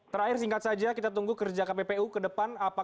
terakhir singkat saja kita tunggu kerja kppu ke depan